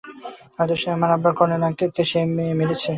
হয়তো সে আমার আব্বা এবং কর্নেল আঙ্কেল কে মেরেছে, বা না।